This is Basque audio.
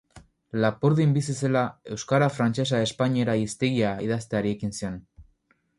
Lapurdin bizi zela Euskara-frantsesa-espainiera hiztegia idazteari ekin zion.